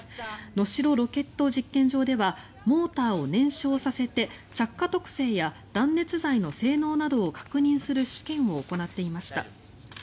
能代ロケット実験場ではモーターを燃焼させて着火特性や断熱材の性能などを確認する試験を行っていました。